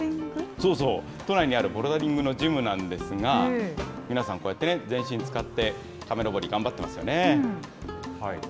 そうそう、都内にあるボルダリングのジムなんですが、皆さん、こうやってね、全身使って壁上り、頑張ってますよね。